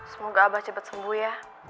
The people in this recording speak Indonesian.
semoga abah cepat sembuh ya